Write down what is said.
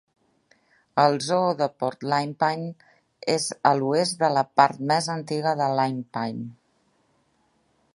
El zoo de Port Lympne és a l'oest de la part més antiga de Lympne.